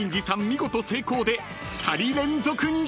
見事成功で２人連続に］